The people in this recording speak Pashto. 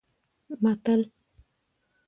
متل: